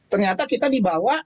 ternyata kita dibawa